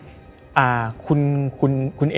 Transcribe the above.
เพื่อที่จะให้แก้วเนี่ยหลอกลวงเค